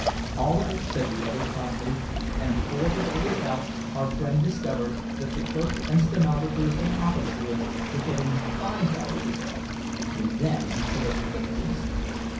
"All right," said the other, promptly; and before the day was out our friend discovered that the clerks and stenographers and office boys were getting five dollars a day, and then he could have kicked himself!